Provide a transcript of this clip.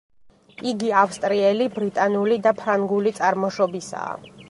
იგი ავსტრიელი, ბრიტანული და ფრანგული წარმოშობისაა.